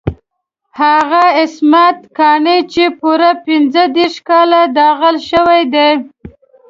هغه عصمت قانع چې پوره پنځه دېرش کاله داغل شوی دی.